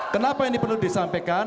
kenapa ini perlu disampaikan